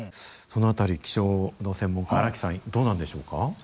その辺り気象の専門家荒木さんどうなんでしょうか。